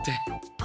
あ！